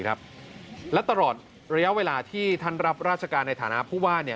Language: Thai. และตลอดระยะเวลาที่ท่านรับราชการในฐานะผู้ว่า